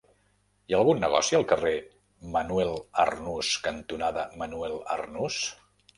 Hi ha algun negoci al carrer Manuel Arnús cantonada Manuel Arnús?